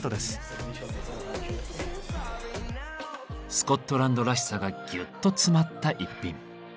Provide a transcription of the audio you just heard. スコットランドらしさがぎゅっと詰まった一品。